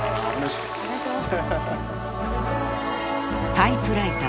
［『タイプライターズ』